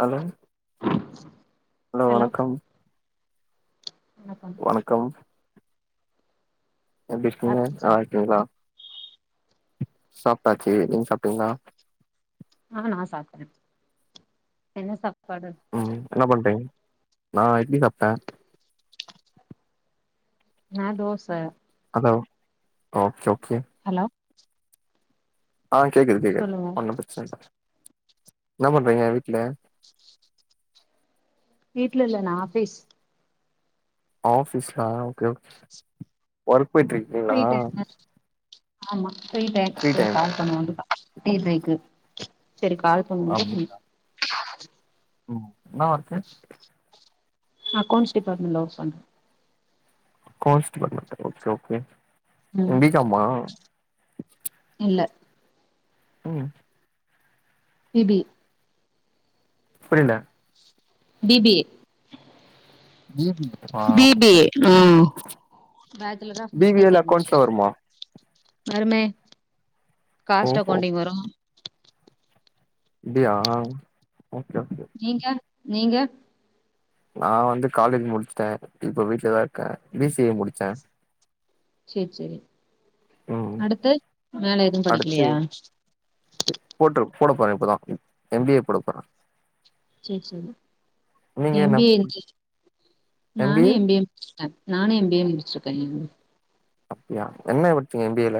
Hello hello வணக்கம். வணக்கம். எப்டி இருக்கீங்க சாப்ட்டீங்ளா நல்லாருக்கீங்களா. சாப்ட்டாச்சு நீங்க சாப்ட்டீங்களா. ஆ நா சாப்ட என்ன சாப் ம் என்ன பண்றிங் நா இட்லி சாப்ட்டே நா தோசை. ஹலோ ஓகே ஹலோ ஆ கேக்குது கேட்குது சொல்லுங்க ஒன்னு பிரச்சன இல்ல. என்ன பண்றீங்க வீட்ல. வீட்ல இல்ல நா ஆபீஸ். ஆபீஸ்ஸா ஓகே ஓகே ஒர்க் போய்ட்டு ஃப்ரீ இருக்கீங்களா. டைம்ல ஆமா ஃப்ரீ டைம் [unintelligible] கால் பண்லான் டீ பிரேக்கு சரி கால் அப்டிங்களா [inaudible] ம் என்னா ஒர்க்கு நா அக்கௌன்ஸ் டிபார்ட்மெண்ட்ல ஒர்க் பன்ற. அக்கவுன்ஸ் டிபார்ட்மெண்ட் ஓகே ஓகே நீ ம் பி கா மா இல்ல ம் பி பி புரியல B B A B B B B A ah [inaudible] bachelor of B B A business ல அக்கௌண்ட்ஸ்ல அட்மினிஸ்டேஷன் வருமா வருமே காஸ்ட் ஓஹோ அக்கௌண்டிங் வரும் அப்டியா ஓகே ஓகே நீங்க நீங்க நா வந்து காலேஜ் முடிச்சுட்டே இப்ப வீட்டுலதா இருக்கே பி சி ஏ முடிச்சே சேரி சேரி ம் அடுத்து மேல எதுவும் அடுத்து படிக்கலையா போடப்போறே இப்பதான் எம் பி ஏ போட போறேன் சேரி சேரி எம் என்ன பி ஏ [inaudible] நானு எம் பி ஏ முடிச்சுடேன் நானும் எம் பி ஏ முடிச்சு கல்யாணம் அப்டியா என்ன படுச்சிங்க எம் பி ஏ ல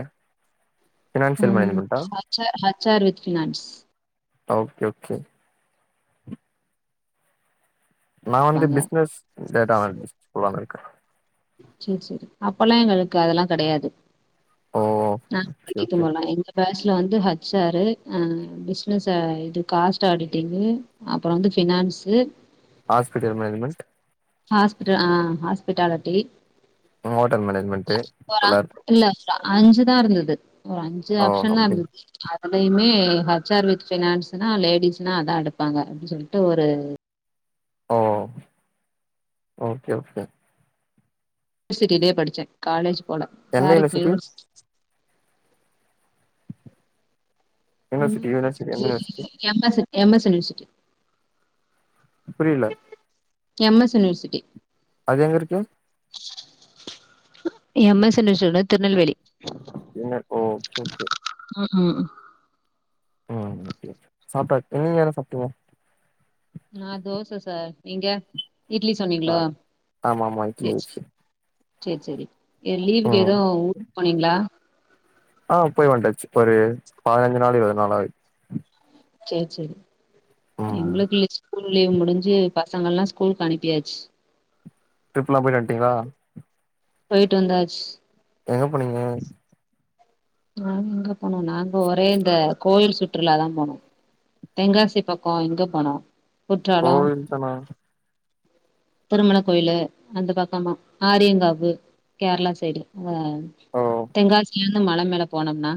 ஃபினான்சியல் ம் மேனேஜ்மெண்டா H R H R with finance okay okay நான் வந்து பாங்க பிஸ்னஸ் டேட்டா [inaudible] இருக்கேன் சேரி சேரி அப்பல்லா எங்களுக்கு அதெல்லா கெடையாது ஓ நான் ஓகே ஓகே படிக்கும்போதெலாம் எங்க பேஜ் இதுல வந்து ஹச் ஆர் பிஸ்னஸ் இது காஸ்ட் ஆடிட்டிங் அப்ரொ வந்து பினான்ஸ் ஸ்சு ஹாஸ்பிடல் மேனேஜ்மென்ட் ஹாஸ்பிடல் ஆ ஹாஸ்பிட்டாலிட்டி ஹோட்டல் மேனேஜ்மென்ட் ஒரு எல்லா இருக்கும் இல்ல ஒரு அஞ்சு தான் இருந்தது ஒரு அஞ்சு ஆப்ஷன் தா அப்டி இருந்துச்சு அப்பையுமே ஹச் ஆர் வித் பினான்ஸ்னா லேடிஸ்னா அதா எடுப்பாங்க அப்டி சொல்லிட்டு ஒரு ஓ ஓகே ஓகே யூனிவர்சிட்டிலயே படிச்சே காலேஜ் போல டேரக்ட் யூனிவர்சிட்டி யூனிவர்சிட்டி யூனிவர்சிட்டி எந்த university university M S M S university புரியல எம் எஸ் யூனிவர்சிட்டி அது எங்க இருக்கு எம் எஸ் யூனிவர்சிட்டி திருநெல்வேலி என்ன கோ [unintelligible] ஆ ம் சாப்டாச் நீங்க என்ன சாப்பிட்டீங்க நா தோச சார் நீங்க இட்லி ஆ. சொன்னீங்களோ ஆமா ஆமா இட்லி செரி தோச செரி செரி செரி யே லீவுக்கு ம் ஏதும் ஊருக்கு போனீங்களா ஆ போய் வந்தாச்சு ஒரு பதினஞ்சு நாள் இருவது நாள் ஆகுது செரி செரி ம் எங்களுக்கு இல் ஸ்கூல் லீவ் முடிஞ்சு பசங்கல்லாம் ஸ்கூலக்கு அனுப்பியாச்சு ட்ரிப்லா போயிட்டு வந்துட்டீங்களா போய்ட்டு வந்தாச்சு எங்க போனீங்க நாங்க எங்க போனோ நாங்க ஒரே இந்த கோயில் சுற்றுலாதா போனோம் தெங்காசி பக்கம் இங்க போனோம் குற்றாலம் கோவில் தானா பிரண்மண கோயிலு அந்த பக்கமா ஆரியங்காவு கேரளா சைடு ஓ தென்காசியில இருந்து மழை மேல போனோம்னா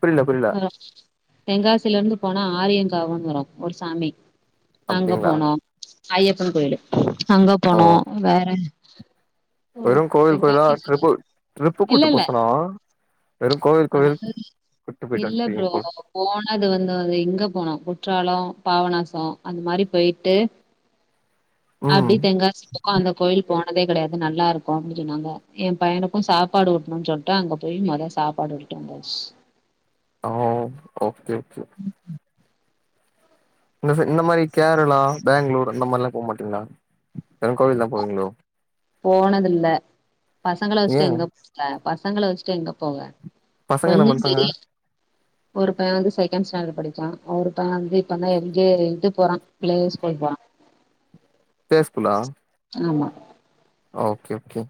புரில புரில வ தென்காசில இருந்து போனா ஆரியங்காவன்னு வரு ஒரு சாமி அங்க அப்டிங்களா போனோம் ஐயப்ப கோயிலு அங்க ஓ போனோ வேற வெறு கோவில் கோயிலா தென்காசி ட்ரிப்பு ட்ரிப்பு இல்ல கூட்டு போ இல்ல சொனா அதாவது இல்ல ப்ரோ வந்ட்டீங்க போல போனது வந்து அ இங்க போனோ குற்றால பாவநாச அந்த மாரி போயிட்டு ம் அப்டி தெங்காசி பக்க அந்த கோவில் போன தே கெடையாது நல்லா இருக்கு அப்டின்னு சொன்னாங்க எ பையனுக்கு சாப்பாடு வூட்டணும்னு சொல்ட்டு அங்க போய் மொத சா பாட்ர கிட்ட வந்தாச்சு ஆ ஓகே ஓகே இந்த சா இந்த மாரி கேரளா பெங்ளூர் அந்த மாரில்லா போக மாட்டீங்களா தெனம் கோவில் தா போவீங்களோ போனதுல்ல பசங்கள ஏ வச்சுட்டு எங்க போல பசங்கள வச்சுட்டு எங்க போவ பசங்க என்ன பண்றாங்க [inaudible] ஒரு பைய வந்து செகண்ட் ஸ்டாண்டர்ட் படிச்சா ஒருத்த வந்து இப்பதா எல்ஜே இது போறா ப்ளே ஸ்கூல் போறா [inaudible] ப்ளே ஸ்கூலா ஆமா ஓகே ஓகே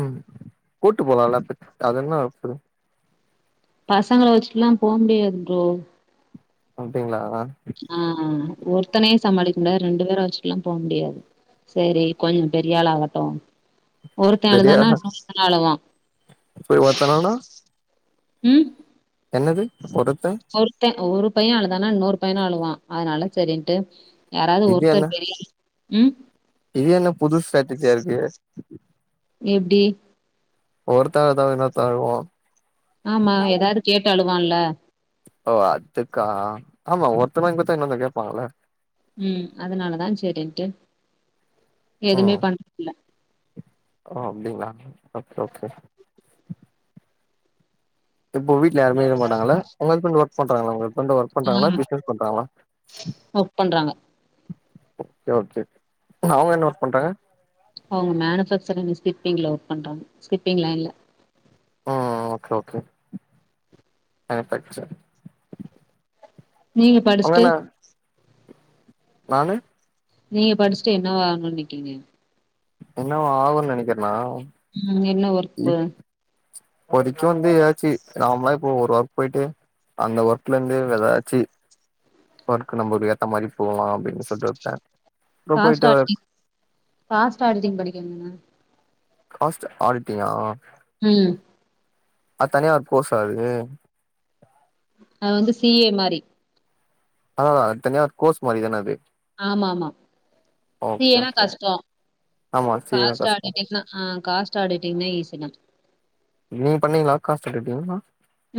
ம் கூட்டு போலல அதென்ன ஆவபோது பசங்கள வச்சுட்ல்லா போ முடியாது ப்ரோ அப்டிங்களா ஆ ஆ ஒருத்தனையே சமாளிக்க முடியாது ரெண்டு பேர வச்சுட்ல்லா போ முடியாது சேரி கொஞ்ச பெரியாள் ஆகட்டு ஒருத்த பெரிய அழுதானா இன்னொருத்தனு அழுவா போய் ஒருத்தனனா ம் என்னது ஒரு ஒருத்தன் ஒரு பைய அழுதானா இன்னூறு பையனு அழுவா அதனால சரின்ட்டு யாராது இது என்ன ஒருத்தர் பெரி ம் இது என்ன புது ஸ்ட்ராட்டஜியா இருக்கு எப்டி ஒருத்த அழுதா இன்னொருத்த அழுவா ஆமா எதாது கேட்டு அழுவான்ல ஓ அதுக்கா ஆமா ஒருத்தனுக் வாங்கி கொடுத்தா இன்னொருத்த கேட்பாங்கள ம் அதனாலதா சரின்ட்டு எதுமே ம் பண்றதுல ஓ அப்டிங்களா ஓகே ஓகே இப்போ வீட்ல யாருமே இருக்க மாட்டாங்கள உங்க ஹஸ்பண்ட் ஒர்க் பண்றாங்கள உங்க ஹஸ்பண்ட் ஒர்க் பண்றாங்களா ஆமா பிசினஸ் பண்றாங்களா ஒர்க் பண்றாங்க ஓகே ஓகே அவங்க என்ன ஒர்க் பண்றாங்க அவங்க மேனுபக்சரி் ஸ்கிப்பிங்ல ஒர்க் பண்றாங்க ஸ்கிப்பி் லைன்ல ஆ ஆ ஓகே ஓகே மேனிஃபேக்சர் நீங்க படிச்ட்டு நானு நீங்க படிச்ட்டு என்ன வாகணு நிக்கீங்க என்னவா ஆகன்னு நினைக்கிறேனா ம் என்ன ஒர்ப்பு இப்பொதிக்கு வந்து எதாச்சி நார்மலா இப்போ ஒரு ஒர்க் போய்ட்டு அந்த ஒர்க்ல இருந்து வெதாச்சு ஒர்க் நம்ம ஒரு ஏத்த மாரி போலான்னு அப்டின்னு சொல்ட்டு ஒரு plan cost auditing cost auditing படிக்க [inaudible] ஆஸ்டு ஆடிட்டிங்கா உம் அத் தனியா ஒரு கோர்ஸா இது அது வந்து சிஏ மாரி ஆஹ் அத்தனியா ஒரு கோர்ஸ் மாராதான அது ஆமா ஆமா ஓகே சிஏ னா ஓகே கஷ்டம் ஆமா சேரிடா காஸ்ட் கஷ்டோ ஆடிட்டிங்னா ஆஹ் காஸ்ட் ஆடிட்டிங்னா ஈசி தான் நீ பண்ணீங்களா காசுட்டுட்டீங்களா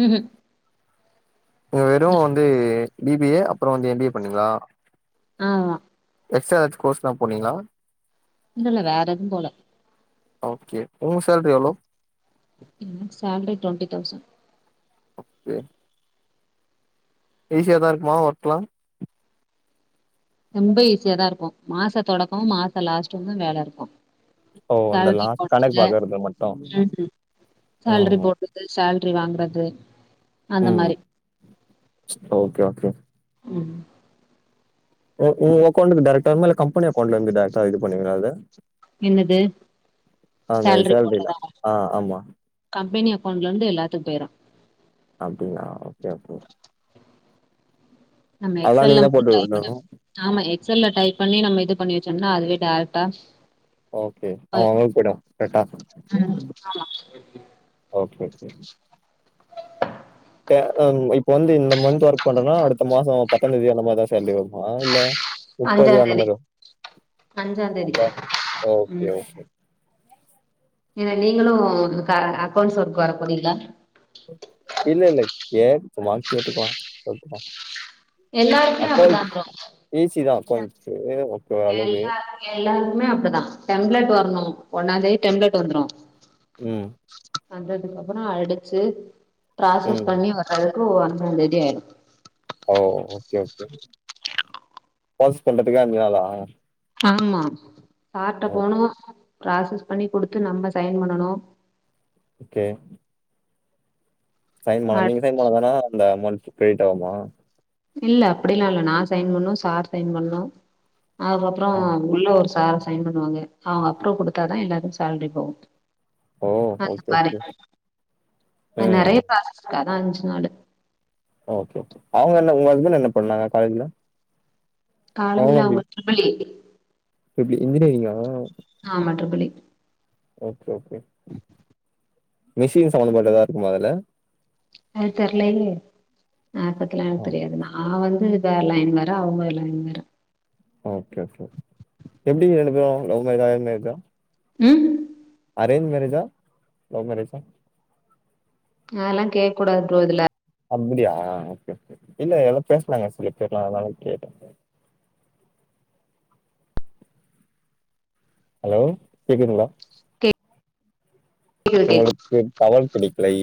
உஹம் வெறும் வந்து பிபிஏ அப்புறம் வந்து எம்பிஏ பண்ணீங்களா ஆமா எக்ஸ்ட்ரா ஏதாச்சும் கோர்ஸ் எல்லாம் போனீங்களா இல்ல இல்ல வேற எதும் போல ஓகே உன் சேல்ரி எவ்ளோ எனக்கு சேலரி டுவென்டி தௌசண்ட் ஓகே ஈசியாதான் இருக்குமா ஒர்க்கலா ரொம்ப ஈஸியா தான் இருக்கும் மாச தொடக்கமும் மாச லாஸ்ட்டும் தான் வேல இருக்கும் ஓ அந்த சேலரி லாஸ்ட் கணக்கு போடுறது பாக்குறது மட்டு உஹம் சேல்ரி ம் போடுறது சேல் ற்றி வாங்குறது அந்த மாரி ம் ஓகே ஓகே உம் உ உங்க அக்கௌண்ட்ல டேரக்டா இல்ல கம்பெனி அக்கௌண்ட்ல இருந்து டைரக்டா இது பண்ணுங்களா அத என்னது அந்த சேல்ரி போட்ரதா சேலரிலாம் ஆ ஆமா கம்பெனி அக் ஒன்னுல இருந்து எல்லாத்துக்கும் பேரும் அப்டிங்களா ஓகே ஓகே நம்ம அதெல்லாம் எக்சல் நீங்க எல்லாம் தான் போட்டு டைப் பண்ண விடணும் நாம எக் எக்சல்ல டைப் பண்ணி நம்ம இது பண்ணி வச்சோம்னா அதுவே டேரெக்டா ஓகே அவ அவங்க கூட போய்டா ம் கரெக்டா ஓகே ஓகே ம்ஹம் இப்ப வந்து இந்த மந்த் ஒர்க் பண்றேனா அடுத்த மாசம் பத்தாம் தேதி அந்த மாரி தான் சேல்ரி வரும் ஆ இல்ல முப்பது அஞ்சாந் தேதி அந்தமாரி வரும் அஞ்சாந் தேதி அதான் ஓகே ஓகே ஏன நீங்களும் அ அக்கௌண்ட்ஸ் ஒர்க் வர போறீங்களா இல்ல இல்ல கேட் சும்மா கேட்டுகலாம் அப்டி தா எல்லாருக்குமே அப்டிதா அக்கௌண்ஸ் ப்ரோ ஈசிதான் அக்கௌண் எல்லாரு எல்லாருக்குமே அப்டிதான் டெம்ப்லெட் வரணும் ஒன்னாந்தேதி டெம்ப்லெட் வந்துரும் உம் வந்ததுக்கப்புறம் அடிச்சு ப்ராசஸ் ம் பண்ணி வர்றதுக்கு ஒன்னா தேதி ஆயிடும் ஓ ஓகே ஓகே பாஸ் பண்றதுக்கே அஞ்சு நாளா ஆமா சார்ட போனும் ப்ராசஸ் பண்ணி குடுத்து நம்ம சைன் பண்ணணும் ஏன் சைன் பண்ணனு அ நீங்க சைன் பண்ணா தானா அந்த அமௌண்ட் கிரெடிட் ஆகுமா இல்ல அப்படிலாம் இல்ல நா சைன் பண்ணணும் சார் சைன் பண்ணணும் அதுக்கப்புறம் ம். உள்ள ஒரு ச சார் சைன் பண்ணுவாங்க அவீங்க அப்ரூவ் கொடுத்தாதான் எல்லாருக்கும் சேல்ரி போகும் ஓ ஓகே அந்தமாரி ஓகே அந்த ம் நிறைய ம் பிராசஸ்க்காக தான் அஞ்சு நாடு ஓ ஓகே ஓகே அவங்க என்ன உங்க ஹஸ்பண்ட் என்ன பண்ணாங்க காலேஜ்ல காலேஜ்ல அவுங்க ட்ரிபுள் இ இப்படி இன்ஜினியரிங்கா ஆமா triple E okay okay machine சம்மந்தப்பட்டதா இருக்குமா அதுல அது தெரிலயே அது பத்திலா ஆ. எனக்கு தெரியாது நா வந்து இது வேற லைன் வேற அவுங்க லைன் வேற ஓகே ஓகே எப்டி ரெண்டு பேரு லவ்மேரேஜா அரேஞ்மேரேஜா உம் அரேஜ்மேரேஜா லவ்மேரேஜா அதெல்லா கேக்கூடாது ப்ரோ இதுல அப்டியா ஓகே ஓகே இல்ல எல்லா பேசனாங்க சொல்லி கேக்லா அதனால கேட்ட ஹலோ கேக்குதுங்களா கேக்குது கேக்குது உங்களுக்கு டவர் கிடைக்லை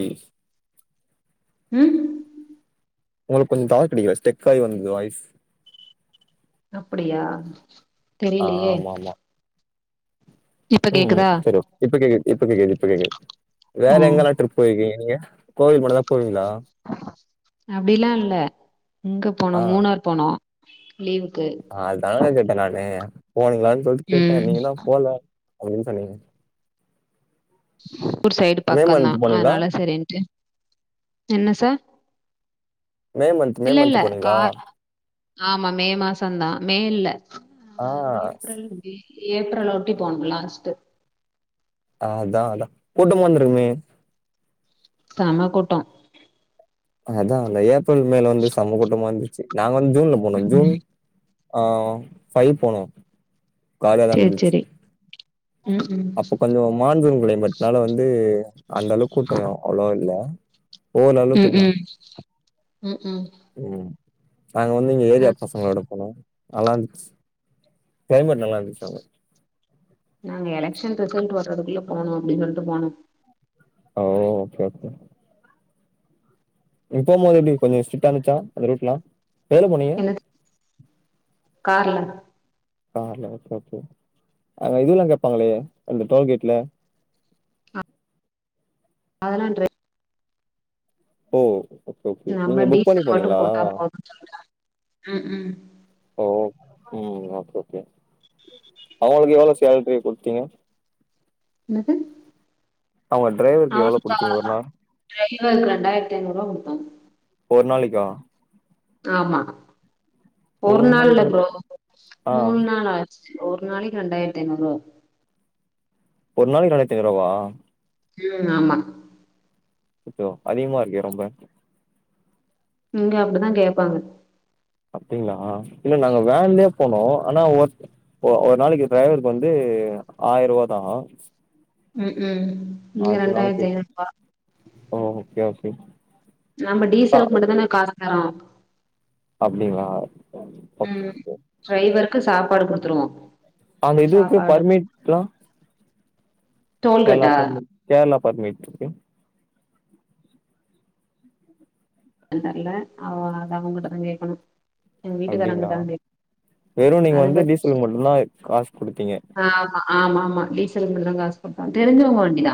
உம் உங்களுக்கு கொஞ்சோ டவர் கிடைக்கல ஸ்டெக்காயீ வந்துது வாய்ஸ் அப்படியா ஆ தெரியலையே இப்ப உம் உம் கேக்குதா சரி ஓகே இப்ப கேக்குது இப்ப கேக்குது இப்ப கேக்குது வேற ம் எங்கெல்லா ட்ரிப் போயிருக்கீங்க நீங்க கோவில் மட்டுந்தா போவீங்களா அப்டிலா இல்ல இங்க போனோ மூணார் போனோ லீவுக்கு அஹ் அதுதாங்க கேட்ட நானு போனீங்களான்னு சொல்ட்டு கேட்டே ம் நீங்க தா போல [unintelligible] ஊர் சைடு மே பக்கோ தா மந்த் போனீங்களா அதனால சரின்டு என்ன சார் மே மந்த் மே இல்ல இல்ல மந்த் போனீங்களா கார் ஆமா மே மாசோ தா மே இல்ல ஆ ஆஹ் ஏப்ரல் மே ஏப்ரல் ஒட்டி போணோ லாஸ்ட்டு ஆ அதா அதா கூட்டமா வந்திருக்குமே செம கூட்டோ அதா அந்த ஏப்ரல் மேல வந்து செம்ம கூட்டமா இருந்துச்சு நாங்க வந்து ஜூன்ல போனோ ஜூன் ம் அஹ் ஃபைவ் போனோ காலியாதா இருந்துச்சு உம் ஹும் [unintelligible] க்ளைமேட்னால வந்து அந்த அளவுக்கு கூட்டோ அவ்ளோவா இல்ல ஓரலவுக்குதா உம் உம் நாங்க வந்து இங்க ஏரியா பசங்களோட போனோ நல்லார்ந்துச்சு கிளைமேட் நல்லா இருந்துச்சு அங்க நாங்க எலெக்ஷன் ரிசல்ட்டு வர்றதுக்குள்ள போனு அப்டின்னு சொல்ட்டு போனோ ஓ ஓகே ஓகே நீங்க போபோது எப்டி கொஞ்சோ ஸ்டிட்டா இருந்துச்சா அந்த ரூட்லா எதுல போனீங்க என்ன கார்ல கார்ல ஒகே ஒகே அங்க இதுல்லா கேட்பாங்களே அந்த டோல் கேட்ல அ [inaudible] அதுலா [inaudible] ஓ ஓகே ஓகே நீங்க நம்ம புக் பண்ணி டீசல் மட்டு போனீங்களா போட்டா போது ம் ம் ஓஓ உம் ஓகே ஓகே அவுங்களுக்கு எவ்ளோ சால்ரி குடுத்தீங்க என்னது அவுங்க டிரைவருக்கு எவ்ளோ அவருக்கா குடுத்தீங்க ஒருநா டிரைவருக்கு ரெண்டாயிரத்தி ஐநூறுவா குடுத்தோ ஒருநாளைக்கா ஆமா ஒரு நாள் நாளைக்கு இல்ல ரெண்டாயிரத் ப்ரோ ஆ மூணு நாள் ஆச்சு ஒரு நாளைக்கு ரெண்டாயிரத்தி ஐநூறு ருவா ஒரு நாளைக்கு ரெண்டாயிரத்தி ஐநூறு ருவாவா ஆமா அச்சச்சோ அதிகமா இருக்கே ரொம்ப இங்க அப்டிதா கேப்பாங்க அப்டிங்களா இல்ல நாங்க வேன்லே போனோ ஆனா ஒ ஒரு நாளைக்கு டிரைவருக்கு வந்து ஆயருவா தா ம் ம் இங்க அது நாளைக்கு ரெண்டாயிரத்தி ஐநூறுபா ஓ ஓகே ஓகே நாம ஆ டீசலுக்கு மட்டு தானே காஸ் தரோ அப்டிங்களா ஓகே ம் ஓகே டிரைவருக்கு சாப்பாடு குடுத்துருவோ அந்த இதுவுக்கு சாப்பாடு பர்மிட்க்லா கேர்ளா டோல்கேட்டா பர்மிட்‌ கேரளா பர்மிட்ருக்கு தெர்ல அவ அத அவுங்க கிட்டதா‌ கேட்கணு எங்க வீட்டுக்காரங்க அப்டிங்களா கிட்ட தா வெறு நீங்க அது வந்து பத் டீசலுக்கு மட்டு தா காஸ் குடுத்தீங்க ஆமா ஆமா ஆமா டீசல்கு மட்டு தா காஸ் குடுத்தோ தெரிஞ்சவங்க வண்டிதா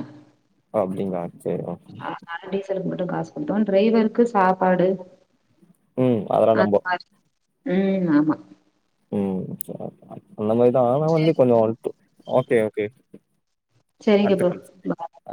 அப்டிங்களா சேரி ஓகே அதா டீசலுக்கு மட்டு காஸ் குடுத்தோ டிரைவருக்கு சாப்பாடு ம் அதெல்லா அந்த நம்போ மாரி ம் ஆமா ம் அந்த மாரிதா ஆனா வந்து கொஞ்சோ [unintelligible] ட்டு ஓகே ஓகே சேரிங்க அடுத்த ப்ரோ கால் சந்திக்கலா